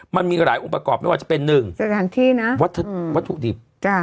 มันมีหลายอุปกรณ์ไม่ว่าจะเป็น๑สถานที่นะวัตถุดิบ